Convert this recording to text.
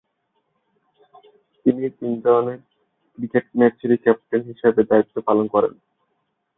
তিনি তিন ধরনের ক্রিকেট ম্যাচেই ক্যাপ্টেন হিসেবে দায়িত্ব পালন করেন।